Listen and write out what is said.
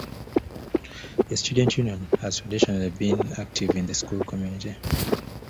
The Student Union has traditionally been active in the school community.